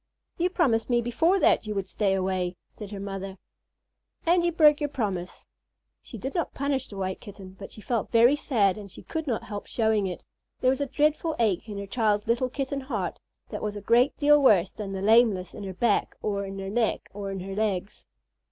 "You promised me before that you would stay away," said her mother, "and you broke your promise." She did not punish the White Kitten, but she felt very sad and she could not help showing it. There was a dreadful ache in her child's little Kitten heart that was a great deal worse than the lameness in her back or in her neck or in her legs.